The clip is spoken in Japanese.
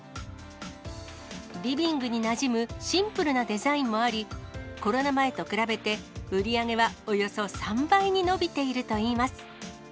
リビングになじむシンプルなデザインもあり、コロナ前と比べて、売り上げはおよそ３倍に伸びているといいます。